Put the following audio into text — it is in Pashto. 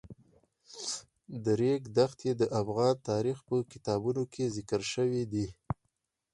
د ریګ دښتې د افغان تاریخ په کتابونو کې ذکر شوی دي.